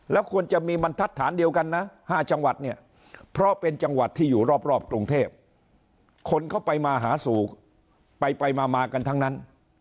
แล้วควรจะมีบรรทัศน์เดียวกันนะ๕จังหวัดเนี่ยเพราะเป็นจังหวัดที่อยู่รอบกรุงเทพคนเข้าไปมาหาสู่ไปมากันทั้งนั้น